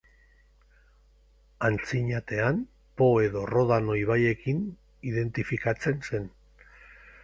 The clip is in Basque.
Antzinatean, Po edo Rodano ibaiekin identifikatzen zen.